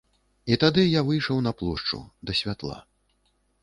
І тады я выйшаў на плошчу, да святла.